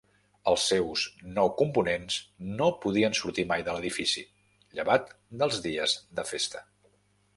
Els seus nou components no podien sortir mai de l'edifici, llevat dels dies de festa.